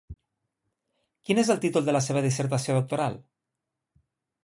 Quin és el títol de la seva dissertació doctoral?